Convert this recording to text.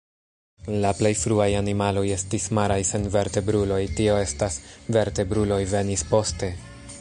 La plej fruaj animaloj estis maraj senvertebruloj, tio estas, vertebruloj venis poste.